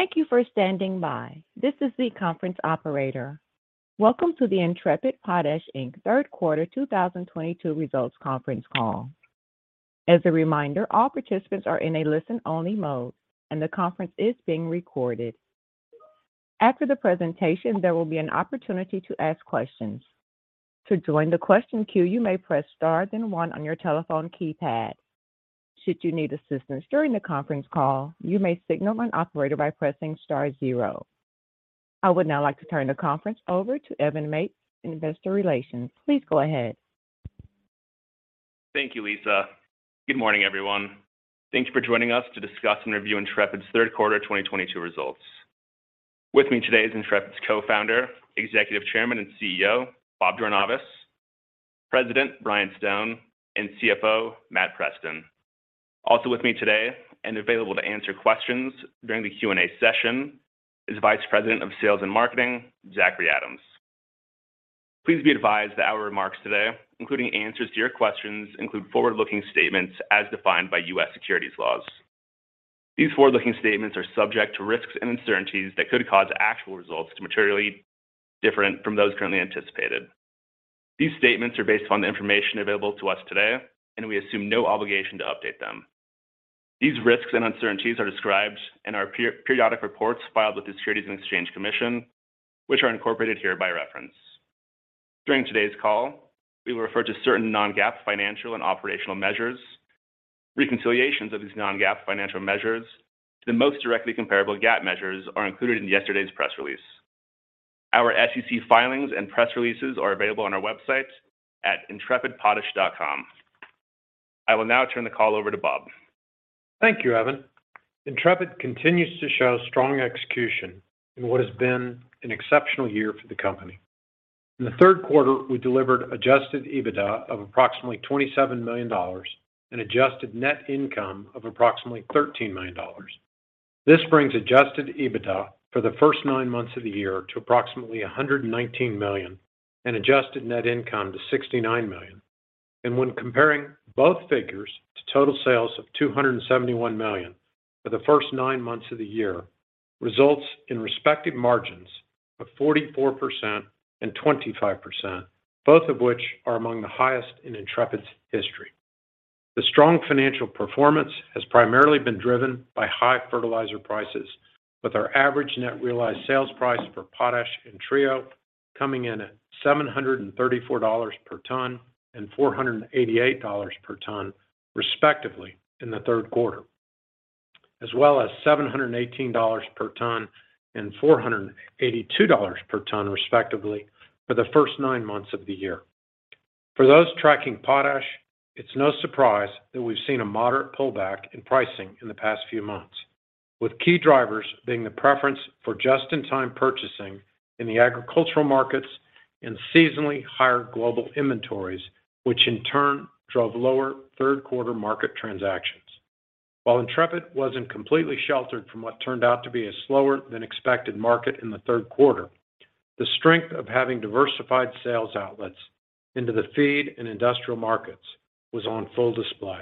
Thank you for standing by. This is the conference operator. Welcome to the Intrepid Potash, Inc Third Quarter 2022 results conference call. As a reminder, all participants are in a listen-only mode, and the conference is being recorded. After the presentation, there will be an opportunity to ask questions. To join the question queue, you may press star then one on your telephone keypad. Should you need assistance during the conference call, you may signal an operator by pressing star zero. I would now like to turn the conference over to Evan Mapes in Investor Relations. Please go ahead. Thank you, Lisa. Good morning, everyone. Thanks for joining us to discuss and review Intrepid's third quarter 2022 results. With me today is Intrepid's co-founder, Executive Chairman, and CEO, Bob Jornayvaz, President Brian Stone, and CFO Matt Preston. Also with me today and available to answer questions during the Q&A session is Vice President of Sales and Marketing, Zachry Adams. Please be advised that our remarks today, including answers to your questions, include forward-looking statements as defined by US securities laws. These forward-looking statements are subject to risks and uncertainties that could cause actual results to differ materially from those currently anticipated. These statements are based on the information available to us today, and we assume no obligation to update them. These risks and uncertainties are described in our periodic reports filed with the Securities and Exchange Commission, which are incorporated here by reference. During today's call, we will refer to certain non-GAAP financial and operational measures. Reconciliations of these non-GAAP financial measures to the most directly comparable GAAP measures are included in yesterday's press release. Our SEC filings and press releases are available on our website at intrepidpotash.com. I will now turn the call over to Bob. Thank you, Evan. Intrepid continues to show strong execution in what has been an exceptional year for the company. In the third quarter, we delivered Adjusted EBITDA of approximately $27 million and adjusted net income of approximately $13 million. This brings Adjusted EBITDA for the first nine months of the year to approximately $119 million and adjusted net income to $69 million. When comparing both figures to total sales of $271 million for the first nine months of the year, results in respective margins of 44% and 25%, both of which are among the highest in Intrepid's history. The strong financial performance has primarily been driven by high fertilizer prices, with our average net realized sales price for potash and Trio coming in at $734 per ton and $488 per ton, respectively, in the third quarter, as well as $718 per ton and $482 per ton, respectively, for the first nine months of the year. For those tracking potash, it's no surprise that we've seen a moderate pullback in pricing in the past few months, with key drivers being the preference for just-in-time purchasing in the agricultural markets and seasonally higher global inventories, which in turn drove lower third-quarter market transactions. While Intrepid wasn't completely sheltered from what turned out to be a slower-than-expected market in the third quarter, the strength of having diversified sales outlets into the feed and industrial markets was on full display.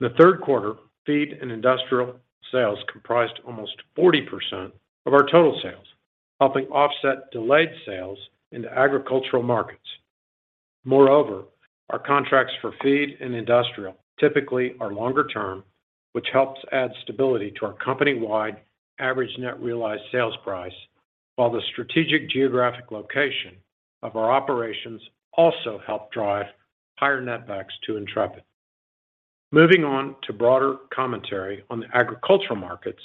The third quarter feed and industrial sales comprised almost 40% of our total sales, helping offset delayed sales in the agricultural markets. Moreover, our contracts for feed and industrial typically are longer term, which helps add stability to our company-wide average net realized sales price, while the strategic geographic location of our operations also help drive higher net backs to Intrepid. Moving on to broader commentary on the agricultural markets,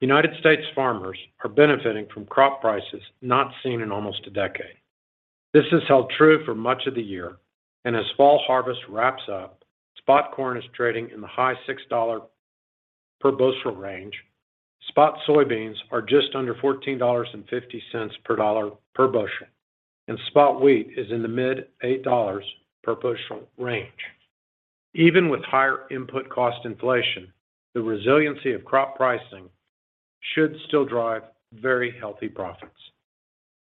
United States farmers are benefiting from crop prices not seen in almost a decade. This has held true for much of the year, and as fall harvest wraps up, spot corn is trading in the high $6 per bushel range, spot soybeans are just under $14.50 per bushel, and spot wheat is in the mid $8 per bushel range. Even with higher input cost inflation, the resiliency of crop pricing should still drive very healthy profits.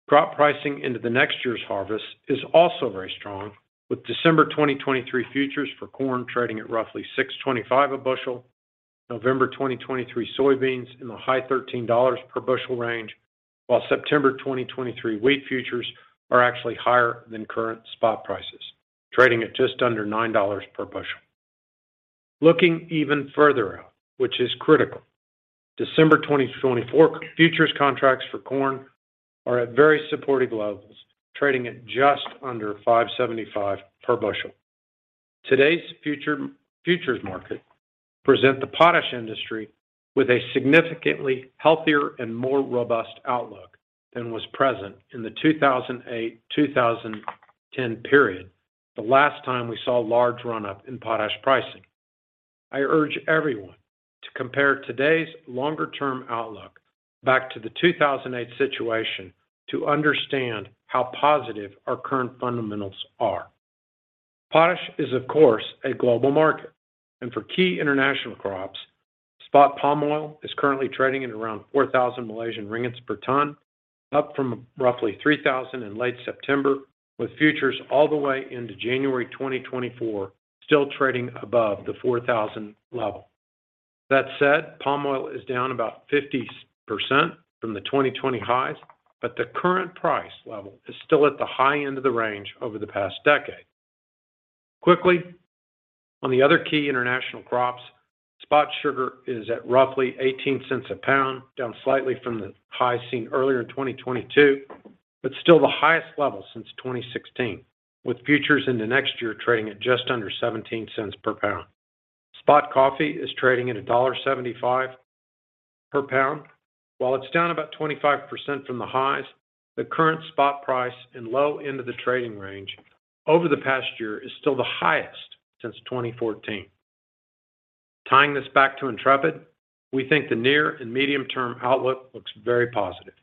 Crop pricing into the next year's harvest is also very strong, with December 2023 futures for corn trading at roughly $6.25 a bushel, November 2023 soybeans in the high $13 per bushel range, while September 2023 wheat futures are actually higher than current spot prices, trading at just under $9 per bushel. Looking even further out, which is critical, December 2024 futures contracts for corn are at very supportive levels, trading at just under $5.75 per bushel. Today's futures market present the potash industry with a significantly healthier and more robust outlook than was present in the 2008-2010 period, the last time we saw a large run-up in potash pricing. I urge everyone to compare today's longer-term outlook back to the 2008 situation to understand how positive our current fundamentals are. Potash is, of course, a global market, and for key international crops, spot palm oil is currently trading at around 4,000 Malaysian ringgit per ton. Up from roughly 3,000 in late September, with futures all the way into January 2024 still trading above the 4,000 level. That said, palm oil is down about 50% from the 2020 highs, but the current price level is still at the high end of the range over the past decade. Quickly, on the other key international crops, spot sugar is at roughly $0.18 a pound, down slightly from the high seen earlier in 2022, but still the highest level since 2016, with futures into next year trading at just under $0.17 per pound. Spot coffee is trading at $1.75 per pound. While it's down about 25% from the highs, the current spot price and low end of the trading range over the past year is still the highest since 2014. Tying this back to Intrepid, we think the near and medium-term outlook looks very positive.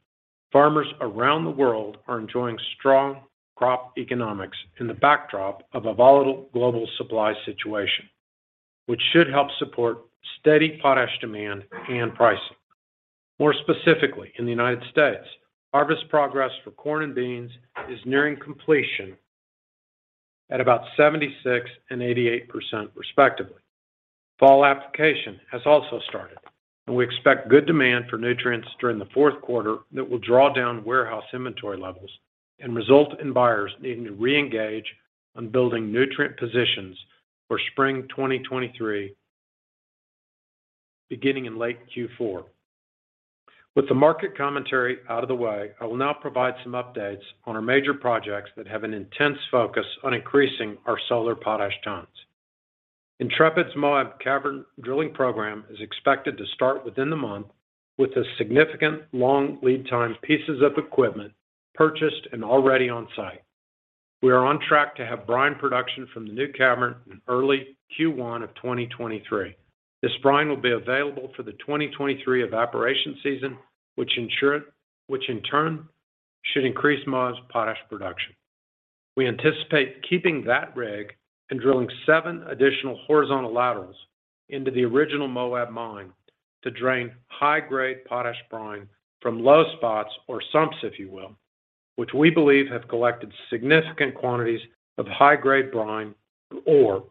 Farmers around the world are enjoying strong crop economics in the backdrop of a volatile global supply situation, which should help support steady potash demand and pricing. More specifically, in the United States, harvest progress for corn and beans is nearing completion at about 76% and 88% respectively. Fall application has also started, and we expect good demand for nutrients during the fourth quarter that will draw down warehouse inventory levels and result in buyers needing to reengage on building nutrient positions for spring 2023, beginning in late Q4. With the market commentary out of the way, I will now provide some updates on our major projects that have an intense focus on increasing our solar potash tons. Intrepid's Moab cavern drilling program is expected to start within the month with the significant long lead time pieces of equipment purchased and already on site. We are on track to have brine production from the new cavern in early Q1 of 2023. This brine will be available for the 2023 evaporation season, which in turn should increase Moab's potash production. We anticipate keeping that rig and drilling seven additional horizontal laterals into the original Moab mine to drain high-grade potash brine from low spots or sumps, if you will, which we believe have collected significant quantities of high-grade brine ore.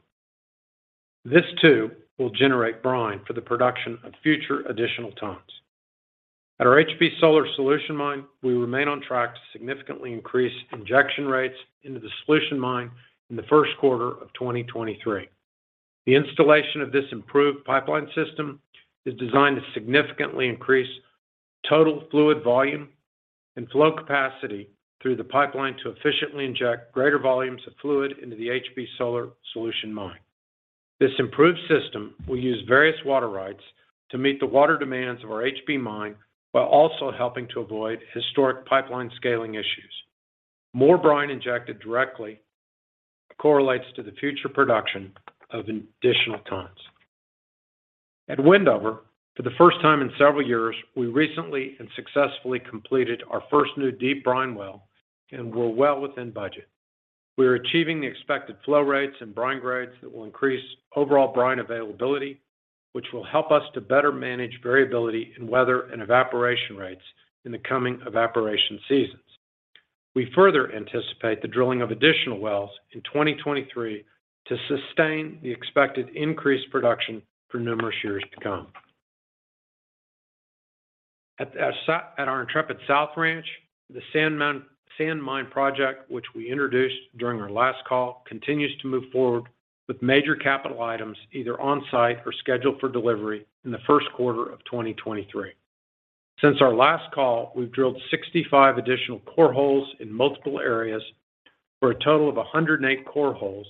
This too will generate brine for the production of future additional tons. At our HB Solar Solution Mine, we remain on track to significantly increase injection rates into the solution mine in the first quarter of 2023. The installation of this improved pipeline system is designed to significantly increase total fluid volume and flow capacity through the pipeline to efficiently inject greater volumes of fluid into the HB Solar Solution Mine. This improved system will use various water rights to meet the water demands of our HB mine while also helping to avoid historic pipeline scaling issues. More brine injected directly correlates to the future production of additional tons. At Wendover, for the first time in several years, we recently and successfully completed our first new deep brine well and were well within budget. We are achieving the expected flow rates and brine grades that will increase overall brine availability, which will help us to better manage variability in weather and evaporation rates in the coming evaporation seasons. We further anticipate the drilling of additional wells in 2023 to sustain the expected increased production for numerous years to come. At our Intrepid South Ranch, the sand mine project, which we introduced during our last call, continues to move forward with major capital items either on site or scheduled for delivery in the first quarter of 2023. Since our last call, we've drilled 65 additional core holes in multiple areas for a total of 108 core holes,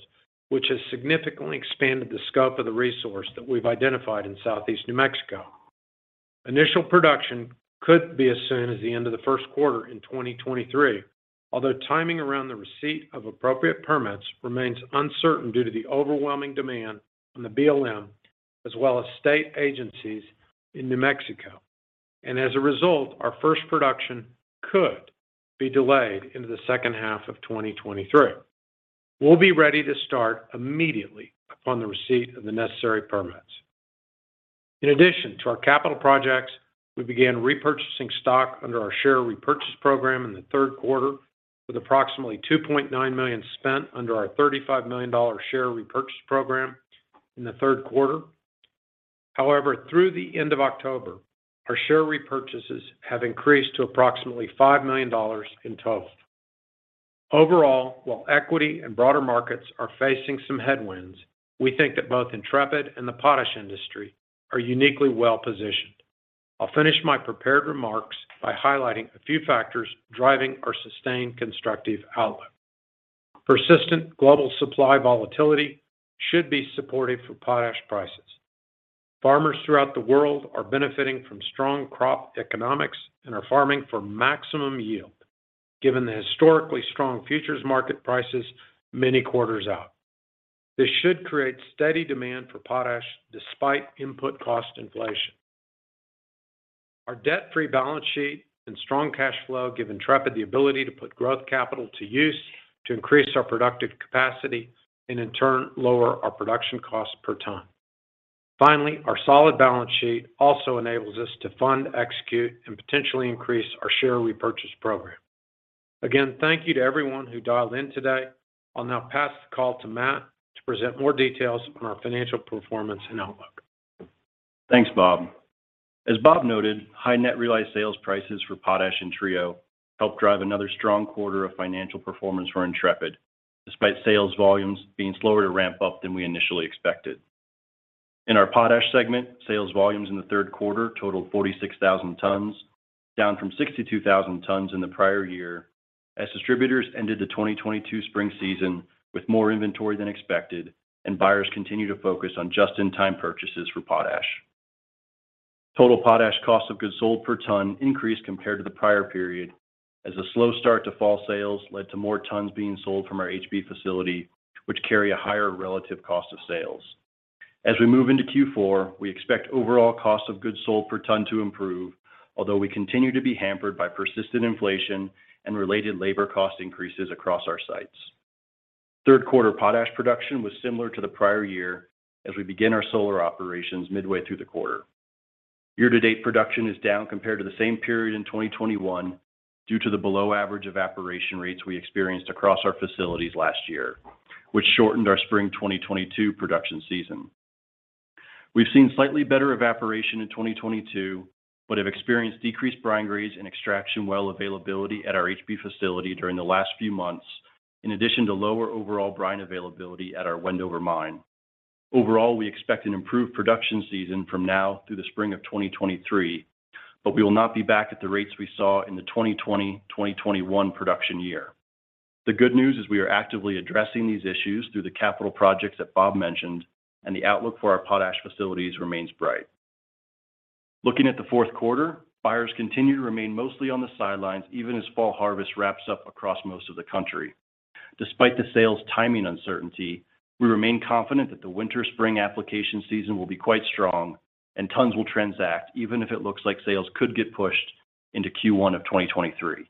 which has significantly expanded the scope of the resource that we've identified in Southeast New Mexico. Initial production could be as soon as the end of the first quarter in 2023. Although timing around the receipt of appropriate permits remains uncertain due to the overwhelming demand on the BLM, as well as state agencies in New Mexico. As a result, our first production could be delayed into the second half of 2023. We'll be ready to start immediately upon the receipt of the necessary permits. In addition to our capital projects, we began repurchasing stock under our share repurchase program in the third quarter with approximately $2.9 million spent under our $35 million share repurchase program in the third quarter. However, through the end of October, our share repurchases have increased to approximately $5 million in total. Overall, while equity and broader markets are facing some headwinds, we think that both Intrepid and the potash industry are uniquely well-positioned. I'll finish my prepared remarks by highlighting a few factors driving our sustained constructive outlook. Persistent global supply volatility should be supportive for potash prices. Farmers throughout the world are benefiting from strong crop economics and are farming for maximum yield, given the historically strong futures market prices many quarters out. This should create steady demand for potash despite input cost inflation. Our debt-free balance sheet and strong cash flow give Intrepid the ability to put growth capital to use to increase our productive capacity and in turn, lower our production cost per ton. Finally, our solid balance sheet also enables us to fund, execute, and potentially increase our share repurchase program. Again, thank you to everyone who dialed in today. I'll now pass the call to Matt to present more details on our financial performance and outlook. Thanks, Bob. As Bob noted, high net realized sales prices for potash and Trio helped drive another strong quarter of financial performance for Intrepid, despite sales volumes being slower to ramp up than we initially expected. In our potash segment, sales volumes in the third quarter totaled 46,000 tons, down from 62,000 tons in the prior year, as distributors ended the 2022 spring season with more inventory than expected and buyers continued to focus on just-in-time purchases for potash. Total potash cost of goods sold per ton increased compared to the prior period as a slow start to fall sales led to more tons being sold from our HB facility, which carry a higher relative cost of sales. As we move into Q4, we expect overall cost of goods sold per ton to improve, although we continue to be hampered by persistent inflation and related labor cost increases across our sites. Third quarter potash production was similar to the prior year as we begin our solar operations midway through the quarter. Year-to-date production is down compared to the same period in 2021 due to the below average evaporation rates we experienced across our facilities last year, which shortened our spring 2022 production season. We've seen slightly better evaporation in 2022, but have experienced decreased brine grades and extraction well availability at our HB facility during the last few months, in addition to lower overall brine availability at our Wendover mine. Overall, we expect an improved production season from now through the spring of 2023, but we will not be back at the rates we saw in the 2020, 2021 production year. The good news is we are actively addressing these issues through the capital projects that Bob mentioned, and the outlook for our potash facilities remains bright. Looking at the fourth quarter, buyers continue to remain mostly on the sidelines, even as fall harvest wraps up across most of the country. Despite the sales timing uncertainty, we remain confident that the winter-spring application season will be quite strong and tons will transact, even if it looks like sales could get pushed into Q1 of 2023.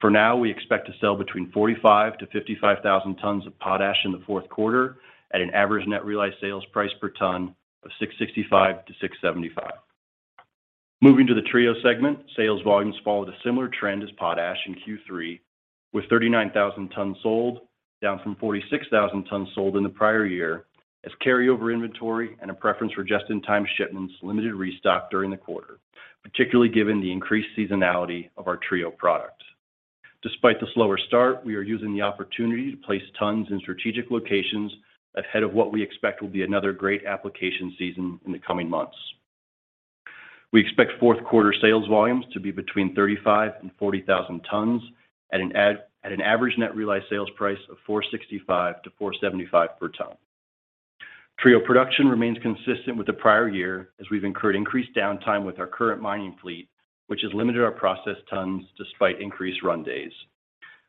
For now, we expect to sell between 45,000-55,000 tons of potash in the fourth quarter at an average net realized sales price per ton of $665-$675. Moving to the Trio segment, sales volumes followed a similar trend as potash in Q3, with 39,000 tons sold, down from 46,000 tons sold in the prior year, as carryover inventory and a preference for just-in-time shipments limited restock during the quarter, particularly given the increased seasonality of our Trio products. Despite the slower start, we are using the opportunity to place tons in strategic locations ahead of what we expect will be another great application season in the coming months. We expect fourth quarter sales volumes to be between 35,000-40,000 tons at an average net realized sales price of $465-$475 per ton. Trio production remains consistent with the prior year as we've incurred increased downtime with our current mining fleet, which has limited our processed tons despite increased run days.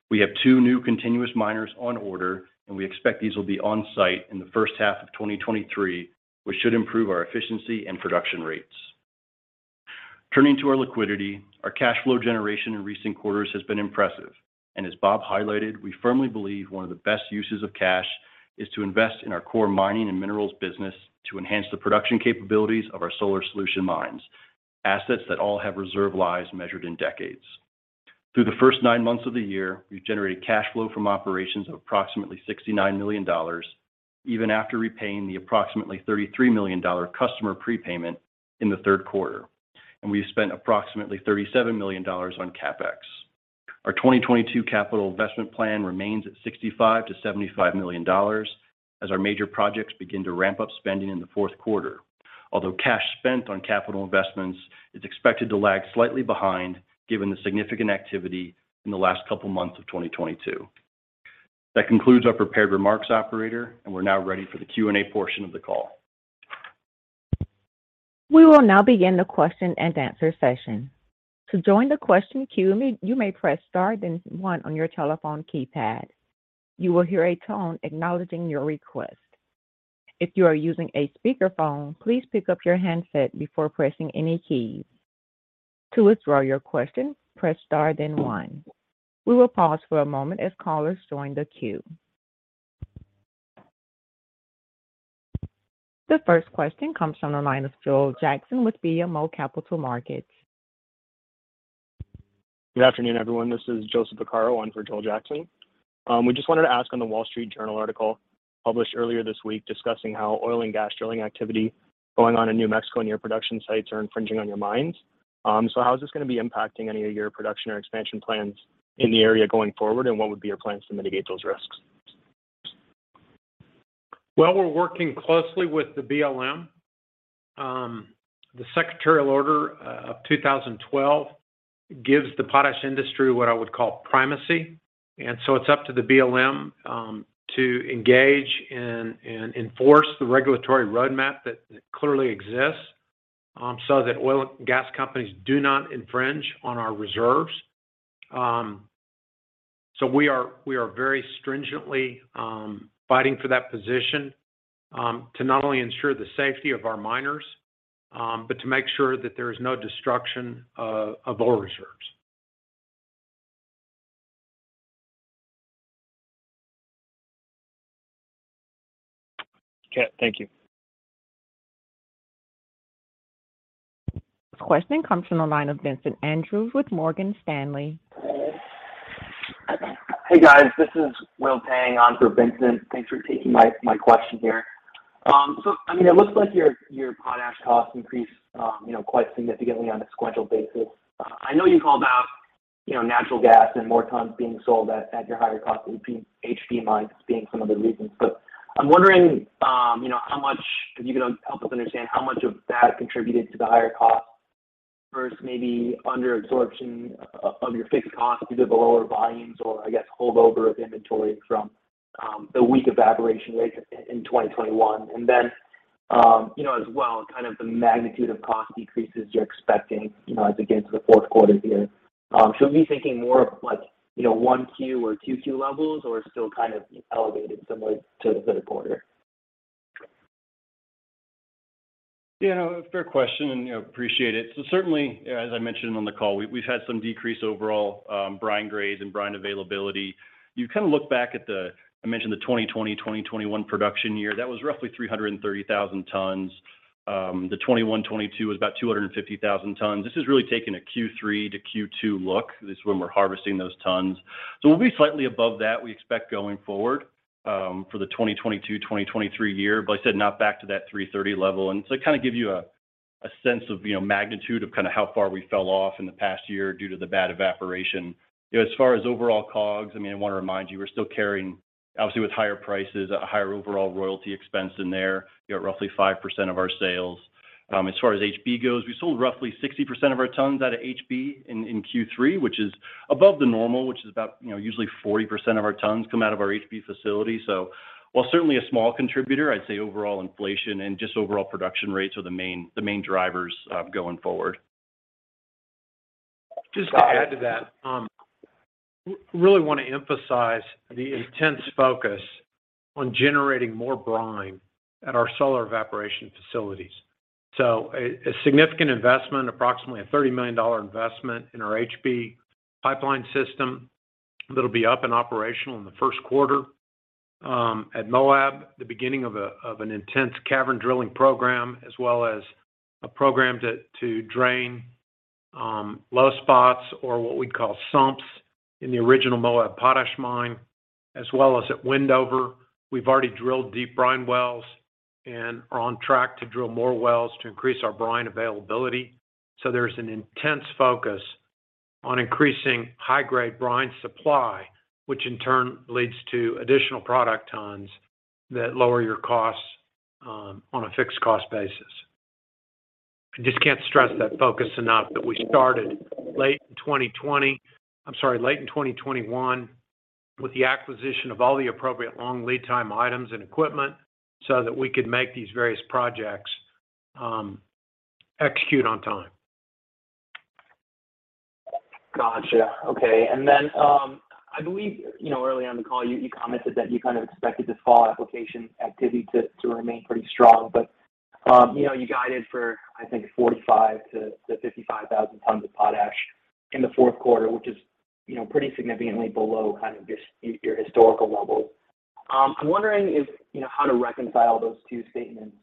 We have two new continuous miners on order, and we expect these will be on-site in the first half of 2023, which should improve our efficiency and production rates. Turning to our liquidity, our cash flow generation in recent quarters has been impressive. As Bob highlighted, we firmly believe one of the best uses of cash is to invest in our core mining and minerals business to enhance the production capabilities of our solar solution mines, assets that all have reserve lives measured in decades. Through the first nine months of the year, we've generated cash flow from operations of approximately $69 million, even after repaying the approximately $33 million customer prepayment in the third quarter. We've spent approximately $37 million on CapEx. Our 2022 capital investment plan remains at $65 million-$75 million as our major projects begin to ramp up spending in the fourth quarter. Although cash spent on capital investments is expected to lag slightly behind given the significant activity in the last couple of months of 2022. That concludes our prepared remarks, operator, and we're now ready for the Q&A portion of the call. We will now begin the question and answer session. To join the question queue, you may press star then one on your telephone keypad. You will hear a tone acknowledging your request. If you are using a speakerphone, please pick up your handset before pressing any keys. To withdraw your question, press star then one. We will pause for a moment as callers join the queue. The first question comes from the line of Joel Jackson with BMO Capital Markets. Good afternoon, everyone. This is Joseph Becerra on for Joel Jackson. We just wanted to ask on The Wall Street Journal article published earlier this week discussing how oil and gas drilling activity going on in New Mexico and your production sites are infringing on your mines. How is this gonna be impacting any of your production or expansion plans in the area going forward? What would be your plans to mitigate those risks? Well, we're working closely with the BLM. The Secretarial Order of 2012 gives the potash industry what I would call primacy. It's up to the BLM to engage and enforce the regulatory roadmap that clearly exists, so that oil and gas companies do not infringe on our reserves. We are very stringently fighting for that position to not only ensure the safety of our miners, but to make sure that there is no destruction of our reserves. Okay, thank you. This question comes from the line of Vincent Andrews with Morgan Stanley. Hey, guys. This is Will Tang on for Vincent. Thanks for taking my question here. So I mean, it looks like your potash costs increased, you know, quite significantly on a sequential basis. I know you called out, you know, natural gas and more tons being sold at your higher cost would be HB mines being some of the reasons. But I'm wondering, you know, how much, if you can help us understand how much of that contributed to the higher costs versus maybe under absorption of your fixed costs due to the lower volumes or, I guess, holdover of inventory from the weak evaporation rates in 2021. Then, you know, as well, kind of the magnitude of cost decreases you're expecting, you know, as it gets to the fourth quarter here. Should we be thinking more of like, you know, 1Q or 2Q levels or still kind of elevated similar to the third quarter? Yeah, a fair question, and you know, appreciate it. Certainly, as I mentioned on the call, we've had some decrease overall, brine grades and brine availability. You kinda look back at the, I mentioned the 2020, 2021 production year. That was roughly 330,000 tons. The 2021, 2022 was about 250,000 tons. This is really taking a Q3-Q2 look. This is when we're harvesting those tons. We'll be slightly above that, we expect going forward, for the 2022, 2023 year. But I said not back to that 330 level. To kinda give you a sense of, you know, magnitude of kinda how far we fell off in the past year due to the bad evaporation. You know, as far as overall COGS, I mean, I wanna remind you, we're still carrying, obviously with higher prices, a higher overall royalty expense in there. You know, roughly 5% of our sales. As far as HB goes, we sold roughly 60% of our tons out of HB in Q3, which is above the normal, which is about, you know, usually 40% of our tons come out of our HB facility. While certainly a small contributor, I'd say overall inflation and just overall production rates are the main drivers going forward. Just to add to that, really wanna emphasize the intense focus on generating more brine at our solar evaporation facilities. A significant investment, approximately a $30 million investment in our HB pipeline system that'll be up and operational in the first quarter. At Moab, the beginning of an intense cavern drilling program, as well as a program to drain low spots or what we call sumps in the original Moab Potash Mine, as well as at Wendover. We've already drilled deep brine wells and are on track to drill more wells to increase our brine availability. There's an intense focus on increasing high-grade brine supply, which in turn leads to additional product tons that lower your costs on a fixed cost basis. I just can't stress that focus enough, that we started late in 2020. I'm sorry, late in 2021 with the acquisition of all the appropriate long lead time items and equipment so that we could make these various projects execute on time. Gotcha. Okay. I believe, you know, early on in the call, you commented that you kind of expected the fall application activity to remain pretty strong. You know, you guided for, I think, 45,000-55,000 tons of potash in the fourth quarter, which is, you know, pretty significantly below kind of just your historical levels. I'm wondering, you know, how to reconcile those two statements.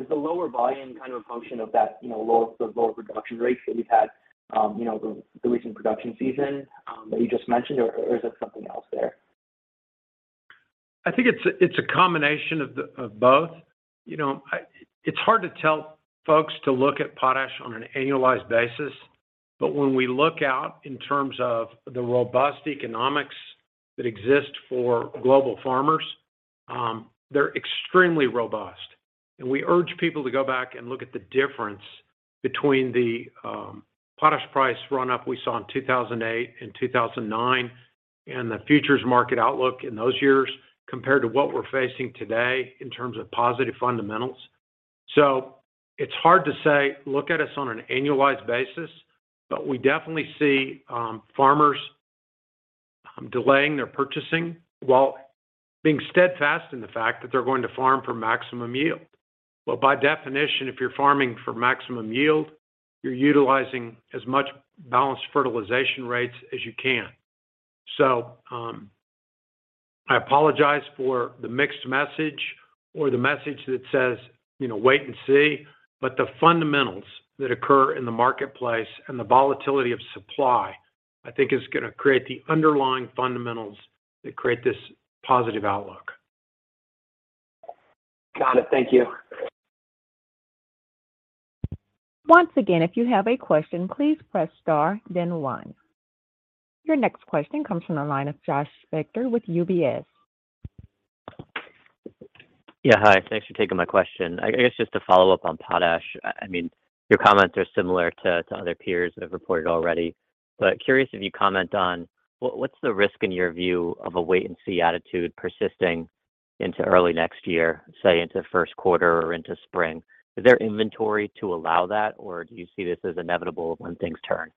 Is the lower volume kind of a function of that, you know, the lower production rates that you've had, you know, the recent production season that you just mentioned, or is there something else there? I think it's a combination of both. You know, it's hard to tell folks to look at potash on an annualized basis. When we look out in terms of the robust economics that exist for global farmers, they're extremely robust. We urge people to go back and look at the difference between the potash price run up we saw in 2008 and 2009 and the futures market outlook in those years compared to what we're facing today in terms of positive fundamentals. It's hard to say look at us on an annualized basis, but we definitely see farmers delaying their purchasing while being steadfast in the fact that they're going to farm for maximum yield. Well, by definition, if you're farming for maximum yield, you're utilizing as much balanced fertilization rates as you can. I apologize for the mixed message or the message that says, you know, wait and see, but the fundamentals that occur in the marketplace and the volatility of supply, I think, is gonna create the underlying fundamentals that create this positive outlook. Got it. Thank you. Once again, if you have a question, please press star then one. Your next question comes from the line of Josh Spector with UBS. Yeah, hi. Thanks for taking my question. I guess just to follow up on potash, I mean, your comments are similar to other peers that have reported already. Curious if you comment on what's the risk in your view of a wait and see attitude persisting into early next year, say into first quarter or into spring? Is there inventory to allow that, or do you see this as inevitable when things turn?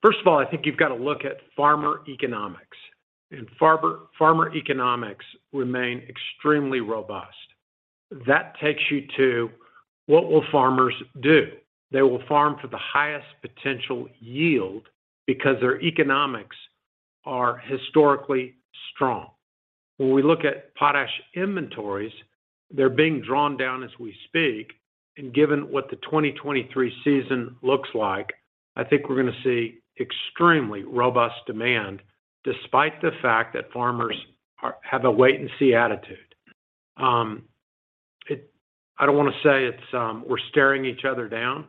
First of all, I think you've got to look at farmer economics. Farmer economics remain extremely robust. That takes you to what will farmers do? They will farm for the highest potential yield because their economics are historically strong. When we look at potash inventories, they're being drawn down as we speak, and given what the 2023 season looks like, I think we're gonna see extremely robust demand despite the fact that farmers have a wait and see attitude. I don't wanna say it's, we're staring each other down,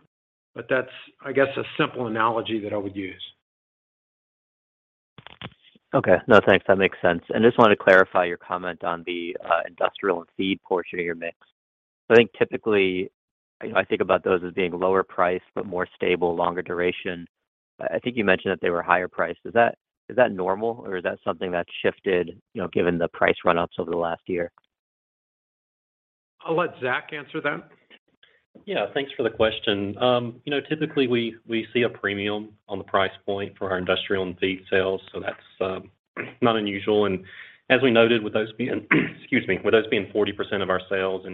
but that's, I guess a simple analogy that I would use. Okay. No, thanks. That makes sense. Just wanted to clarify your comment on the industrial and feed portion of your mix. I think typically, you know, I think about those as being lower price, but more stable, longer duration. I think you mentioned that they were higher priced. Is that normal or is that something that's shifted, you know, given the price run-ups over the last year? I'll let Zach answer that. Yeah. Thanks for the question. You know, typically we see a premium on the price point for our industrial and feed sales, so that's not unusual. As we noted with those being 40% of our sales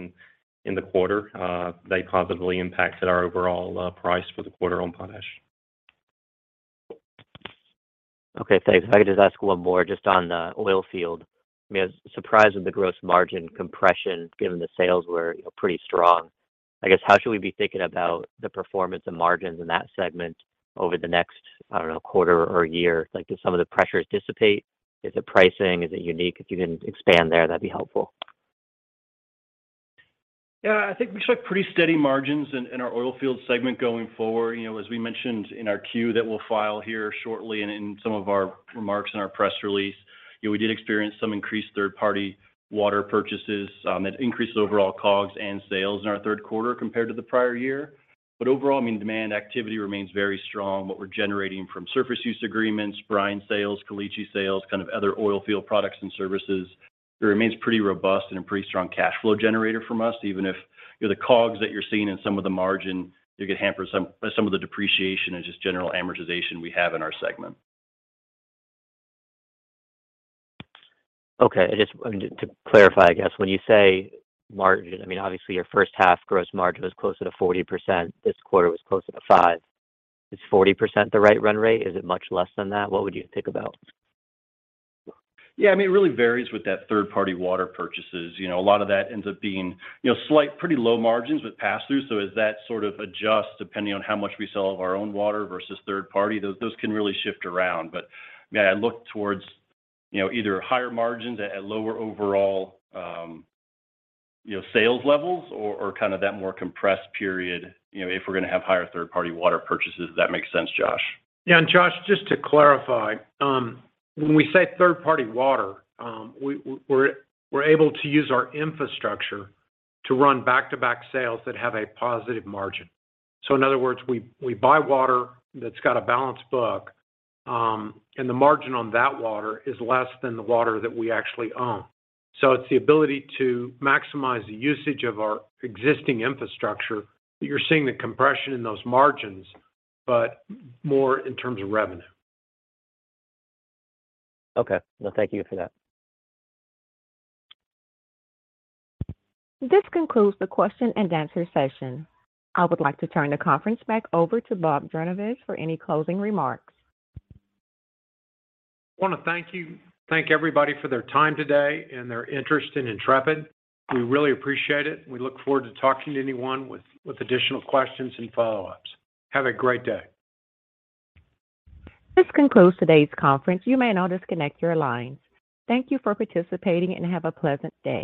in the quarter, they positively impacted our overall price for the quarter on potash. Okay. Thanks. If I could just ask one more just on the oil field. I mean, I was surprised with the gross margin compression given the sales were, you know, pretty strong. I guess, how should we be thinking about the performance and margins in that segment over the next, I don't know, quarter or year? Like, do some of the pressures dissipate? Is it pricing? Is it unique? If you can expand there, that'd be helpful. Yeah. I think we expect pretty steady margins in our oilfield segment going forward. You know, as we mentioned in our Q that we'll file here shortly and in some of our remarks in our press release, you know, we did experience some increased third-party water purchases that increased overall COGS and sales in our third quarter compared to the prior year. Overall, I mean, demand activity remains very strong. What we're generating from surface use agreements, brine sales, Caliche sales, kind of other oilfield products and services, it remains pretty robust and a pretty strong cash flow generator from us even if, you know, the COGS that you're seeing in some of the margin could hamper some of the depreciation and just general amortization we have in our segment. To clarify, I guess, when you say margin, I mean, obviously your first half gross margin was closer to 40%, this quarter was closer to 5%. Is 40% the right run rate? Is it much less than that? What would you think about? Yeah, I mean, it really varies with that third-party water purchases. You know, a lot of that ends up being, you know, slightly, pretty low margins with pass-through. So as that sort of adjusts depending on how much we sell of our own water versus third party, those can really shift around. But I mean, I look towards, you know, either higher margins at lower overall, you know, sales levels or kind of that more compressed period, you know, if we're gonna have higher third-party water purchases. Does that make sense, Josh? Yeah. Josh, just to clarify, when we say third-party water, we're able to use our infrastructure to run back-to-back sales that have a positive margin. In other words, we buy water that's got a balanced book, and the margin on that water is less than the water that we actually own. It's the ability to maximize the usage of our existing infrastructure, but you're seeing the compression in those margins, but more in terms of revenue. Okay. No, thank you for that. This concludes the question and answer session. I would like to turn the conference back over to Bob Jornayvaz for any closing remarks. I wanna thank everybody for their time today and their interest in Intrepid. We really appreciate it, and we look forward to talking to anyone with additional questions and follow-ups. Have a great day. This concludes today's conference. You may now disconnect your lines. Thank you for participating, and have a pleasant day.